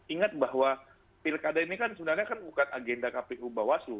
ingat bahwa pilkada ini kan sebenarnya bukan agenda kpu bawaslu